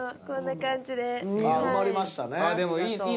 こんな感じではい。